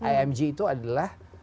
img itu adalah